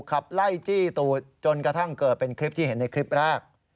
ขับไล่จี้ตูดจนกระทั่งเกิดเป็นคลิปที่เห็นในคลิปแรก